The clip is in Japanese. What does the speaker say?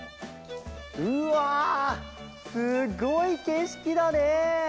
うわすごいけしきだね！